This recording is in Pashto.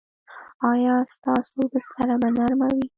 ایا ستاسو بستره به نرمه وي؟